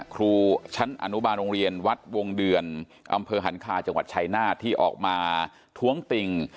ครูชั้นอนุบาลโรงเรียนวัดวงเดือนอำเภอหันคาจังหวัดชายนาฏที่ออกมาท้วงติ่ง